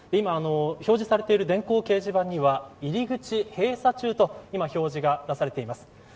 表示されている電光掲示板には入り口閉鎖中となっています。